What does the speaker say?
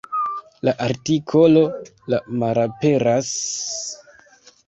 La artikolo "la" malaperas.